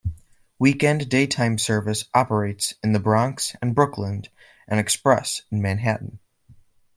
Weekend daytime service operates in the Bronx and Brooklyn and express in Manhattan.